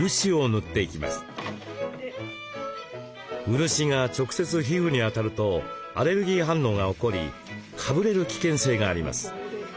漆が直接皮膚に当たるとアレルギー反応が起こりかぶれる危険性があります。